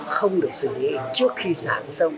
không được xử lý trước khi xả xuống sông